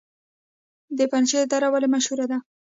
د پنجشیر دره ولې مشهوره ده؟